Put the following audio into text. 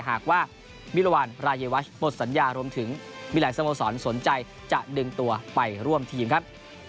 หากว่ามิรวรรณรายวัชหมดสัญญารวมถึงมีหลายสโมสรสนใจจะดึงตัวไปร่วมทีมครับ